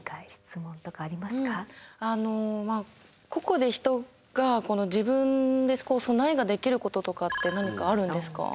あの個々で人が自分で備えができることとかって何かあるんですか？